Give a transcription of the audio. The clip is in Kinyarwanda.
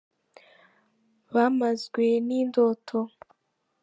Bamazwe n’indoto